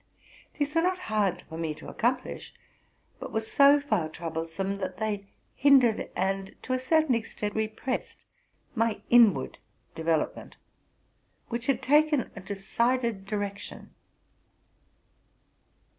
These were not hard for me to accomplish, but were so far troublesome, that they hindered, and, to a certain extent, repressed, my inward development, which had taken a decided direction.